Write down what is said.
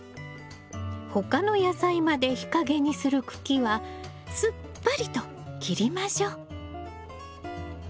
他の野菜まで日陰にする茎はすっぱりと切りましょう。